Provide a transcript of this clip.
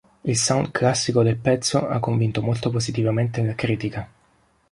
Il sound classico del pezzo ha convinto molto positivamente la critica.